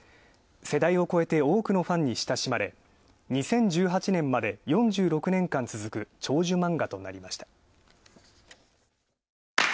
世代を超えて多くのファンに親しまれ、２０１８年まで４６年間続く、長寿漫画となりました。